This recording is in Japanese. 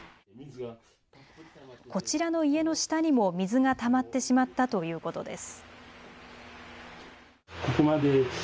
こちらの家の下にも水がたまってしまったということです。